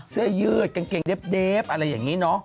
เสื้อยืดกางเกงเดฟอะไรอย่างนี้เนอะ